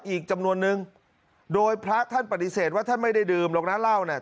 อีกจำนวนนึงโดยพระท่านปฏิเสธว่าท่านไม่ได้ดื่มหรอกนะเหล้าเนี่ย